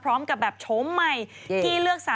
พี่ชอบแซงไหลทางอะเนาะ